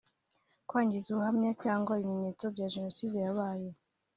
kwangiza ubuhamya cyangwa ibimenyetso bya jenoside yabaye